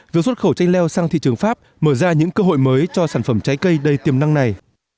việc xuất khẩu chanh leo sang thị trường pháp mở ra những cơ hội mới cho sản phẩm trái cây đầy tiềm năng này